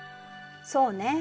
そうね。